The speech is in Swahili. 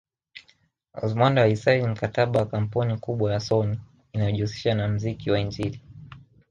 Rose Muhando alisaini mkataba na kampuni kubwa ya sony inayojihusisha na mziki wa injili